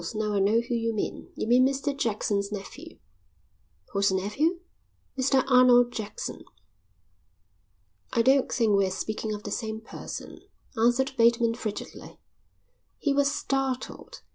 Now I know who you mean. You mean Mr Jackson's nephew." "Whose nephew?" "Mr Arnold Jackson." "I don't think we're speaking of the same person," answered Bateman, frigidly. He was startled.